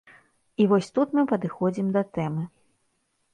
І вось тут мы падыходзім да тэмы.